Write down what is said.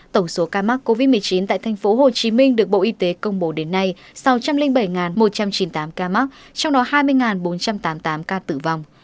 tổng số ca mắc covid một mươi chín tại tp hcm được bộ y tế công bố đến nay sáu trăm linh bảy một trăm chín mươi tám ca mắc trong đó hai mươi bốn trăm tám mươi tám ca tử vong